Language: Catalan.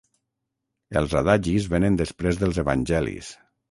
Els adagis vénen després dels evangelis.